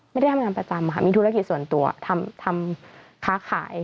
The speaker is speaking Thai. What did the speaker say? ไม่ได้ทำงานประจำค่ะมีธุรกิจส่วนตัวทำค้าขาย